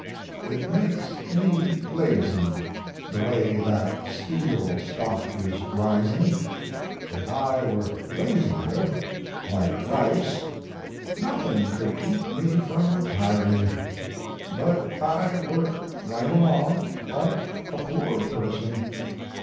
It makes me lazy, the way that Steel stock is rising. If I were lazier like Rice nothing could keep me from retiring. But I work right along, like a poor person.